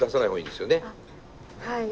はい。